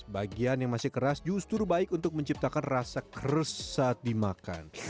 bagian yang masih keras justru baik untuk menciptakan rasa kres saat dimakan